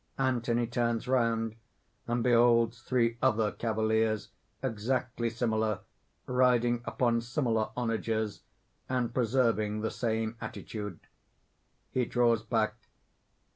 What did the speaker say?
_ _Anthony turns round, and beholds three other cavaliers exactly similar, riding upon similar onagers, and preserving the same attitude._ _He draws back.